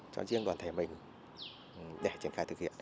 cho riêng đoàn thể mình để triển khai thực hiện